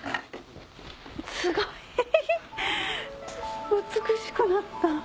すごい！美しくなった。